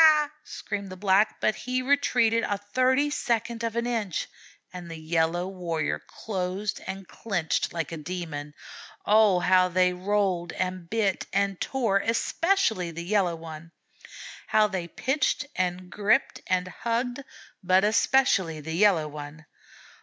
screamed the Black, but he retreated a thirty second of an inch, and the Yellow Warrior closed and clinched like a demon. Oh, how they rolled and bit and tore, especially the Yellow One! How they pitched and gripped and hugged, but especially the Yellow One!